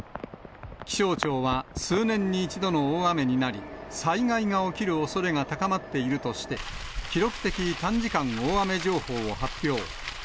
気象庁は、数年に一度の大雨になり、災害が起きるおそれが高まっているとして、記録的短時間大雨情報を発表。